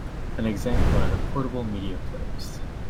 An example are the Portable media players.